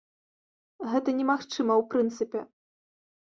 Гэта немагчыма ў прынцыпе.